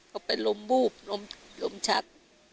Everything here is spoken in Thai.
เขาเป็นลมวูบลมชัก